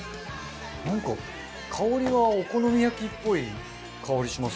なんか香りはお好み焼きっぽい香りします。